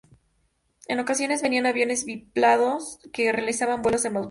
En ocasiones venían aviones biplanos que realizaban vuelos de bautismo.